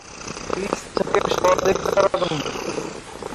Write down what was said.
বীজ থেকে সহজেই চারা জন্মে।